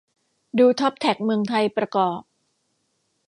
ดูท็อปแท็กเมืองไทยประกอบ